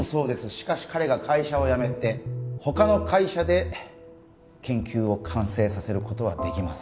しかし彼が会社を辞めて他の会社で研究を完成させることはできます